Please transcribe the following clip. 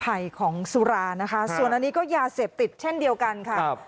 ภัยของสุรานะคะส่วนอันนี้ก็ยาเสพติดเช่นเดียวกันค่ะครับ